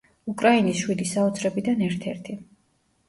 უკრაინის შვიდი საოცრებიდან ერთ-ერთი.